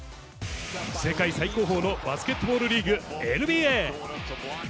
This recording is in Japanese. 世界最高峰のバスケットボールリーグ、ＮＢＡ。